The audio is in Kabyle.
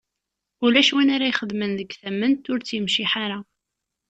Ulac win ara ixedmen deg tament ur tt-yemciḥ ara.